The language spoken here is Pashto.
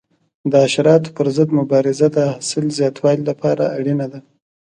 د حشراتو پر ضد مبارزه د حاصل زیاتوالي لپاره اړینه ده.